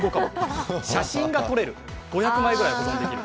写真が撮れる、５００枚ぐらい保存できる。